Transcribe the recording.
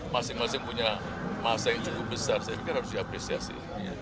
masing masing punya masa yang cukup besar saya pikir harus diapresiasi